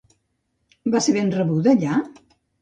Va ser ben rebuda allà?